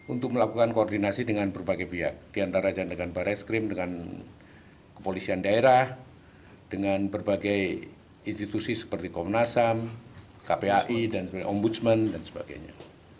untuk melakukan koordinasi dengan berbagai pihak diantara dengan baris krim dengan kepolisian daerah dengan berbagai institusi seperti komnasam kpai dan ombudsman dan sebagainya